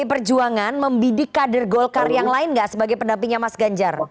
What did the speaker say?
pdi perjuangan membidik kader golkar yang lain nggak sebagai pendampingnya mas ganjar